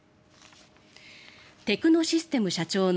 テクノシステム社長の